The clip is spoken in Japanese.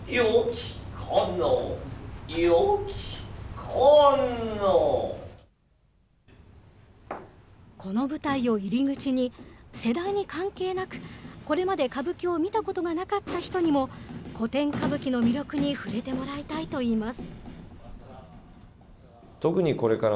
よきかな、この舞台を入り口に、世代に関係なく、これまで歌舞伎を見たことがなかった人にも、古典歌舞伎の魅力に触れてもらいたいといいます。